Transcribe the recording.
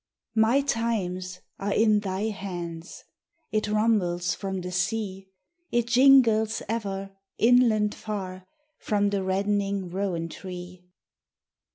'MY times are in Thy hands!' It rumbles from the sea; It jingles ever, inland far, From the reddening rowan tree.